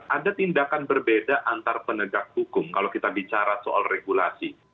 ada tindakan berbeda antar penegak hukum kalau kita bicara soal regulasi